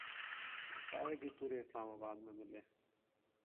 شاید ہی پورے اسلام آباد میں ملے